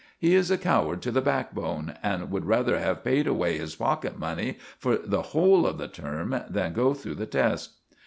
He is a coward to the backbone, and would rather have paid away his pocket money for the whole of the term than go through the test."